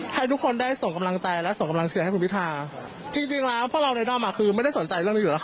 ให้ทุกคนได้ส่งกำลังใจและส่งกำลังเชียร์ให้คุณพิทาจริงจริงแล้วพวกเราในด้อมอ่ะคือไม่ได้สนใจเรื่องนี้อยู่แล้วค่ะ